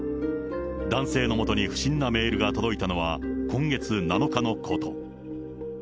男性のもとに不審なメールが届いたのは今月７日のこと。